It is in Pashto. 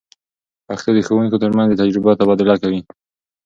پښتو د ښوونکو تر منځ د تجربو تبادله کوي.